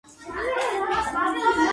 იყო ერთი ბიჭი